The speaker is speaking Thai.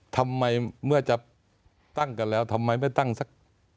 ทำไมเมื่อจะตั้งกันแล้วทำไมไม่ตั้งสัก